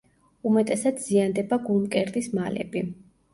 უმეტესად ზიანდება გულმკერდის მალები.